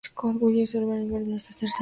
Wario se le ocurre venderlas y hacerse rico.